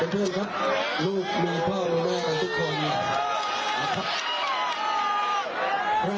ตีกันยับเลยค่ะ